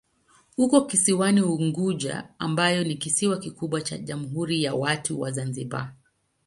Uko kisiwani Unguja ambayo ni kisiwa kikubwa cha Jamhuri ya Watu wa Zanzibar.